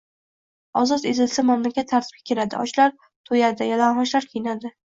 Ozod etilsa mamlakat tartibga keladi, ochlar to’yadi, yalang’ochlar kiyinadi.